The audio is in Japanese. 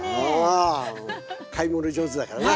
あ買い物上手だからな。